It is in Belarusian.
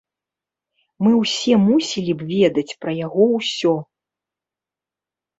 Мы ўсе мусілі б ведаць пра яго ўсё.